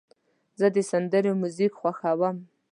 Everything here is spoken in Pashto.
زه د سندرو میوزیک خوښوم.